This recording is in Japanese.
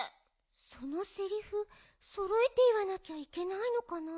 そのセリフそろえていわなきゃいけないのかな。